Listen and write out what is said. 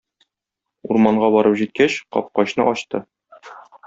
Урманга барып җиткәч, капкачны ачты.